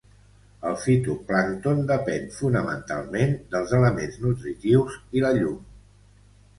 El fitoplàncton depén, fonamentalment, dels elements nutritius i la llum.